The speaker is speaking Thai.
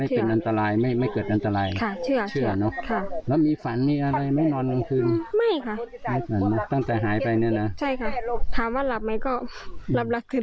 แกน่าจะคิดถึงอยู่เนอะแต่ว่ายังกลับไม่ได้